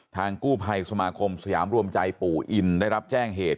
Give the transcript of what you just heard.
ทางกู้ภัยสมาคมสยามรวมใจปู่อินได้รับแจ้งเหตุ